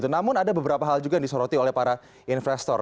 namun ada beberapa hal juga yang disoroti oleh para investor